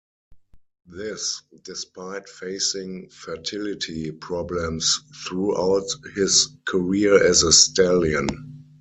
This despite facing fertility problems throughout his career as a stallion.